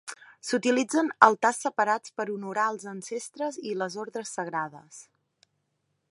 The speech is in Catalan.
S"utilitzen altars separats per honorar els ancestres i les ordres sagrades.